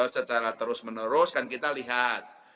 secara terus menerus kan kita lihat